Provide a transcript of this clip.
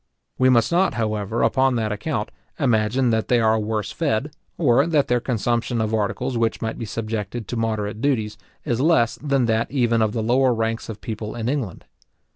We must not, however, upon that account, imagine that they are worse fed, or that their consumption of articles which might be subjected to moderate duties, is less than that even of the lower ranks of people in England.